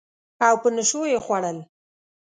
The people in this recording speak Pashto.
او په نشو یې وخوړل